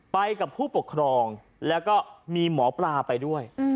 ไปกับผู้ปกครองแล้วก็มีหมอปลาไปด้วย